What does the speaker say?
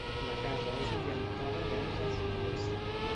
La casa és orientada vers el sud-oest.